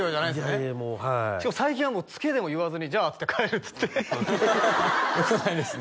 いやいやもうはい最近はもう「ツケで」も言わずに「じゃあ」っつって帰るっつってよくないですね